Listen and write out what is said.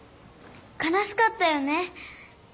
かなしかったよね。